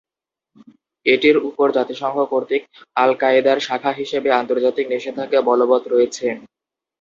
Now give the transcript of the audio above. এটির উপর জাতিসংঘ কর্তৃক আল কায়েদার শাখা হিসেবে আন্তর্জাতিক নিষেধাজ্ঞা বলবৎ রয়েছে।